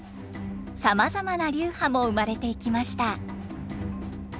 さまざまな流派も生まれていきました。